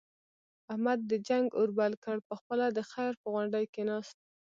احمد د جنگ اور بل کړ، په خپله د خیر په غونډۍ کېناست.